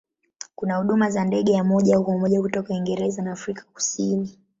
Kuna huduma za ndege ya moja kwa moja kutoka Uingereza na Afrika ya Kusini.